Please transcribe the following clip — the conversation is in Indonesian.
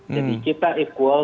jadi kita equal